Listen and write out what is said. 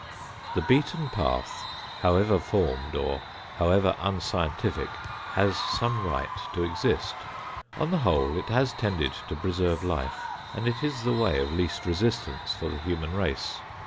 The beaten path, however formed or however unscientific, has some right to exist. On the whole it has tended to preserve life, and it is the way of least resistance for the human race.